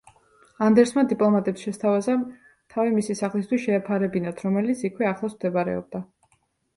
ანდერსმა დიპლომატებს შესთავაზა, თავი მისი სახლისთვის შეეფარებინათ, რომელიც იქვე, ახლოს მდებარეობდა.